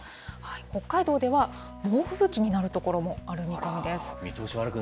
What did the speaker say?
北海道では、猛吹雪になる所もある見込みです。